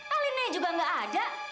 alenanya juga nggak ada